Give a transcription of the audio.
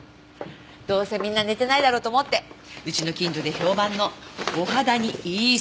どうせみんな寝てないだろうと思ってうちの近所で評判のお肌にいいスイーツ。